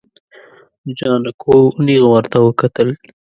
جانکو نيغ ورته وکتل.